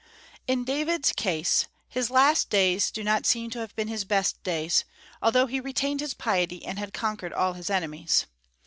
In David's case, his last days do not seem to have been his best days, although he retained his piety and had conquered all his enemies.